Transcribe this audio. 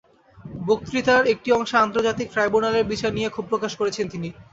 বক্তৃতার একটি অংশে আন্তর্জাতিক ট্রাইব্যুনালের বিচার নিয়ে ক্ষোভ প্রকাশ করেছেন তিনি।